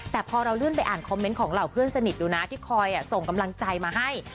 แต่พอเราเลื่อนไปอ่านคอมเมนต์ของเหล่าเพื่อนสนิทดูนะที่คอยส่งกำลังใจมาให้